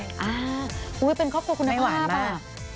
อ่าอุ๊ยเป็นครอบครัวคุณภาพอ่ะไม่หวานมาก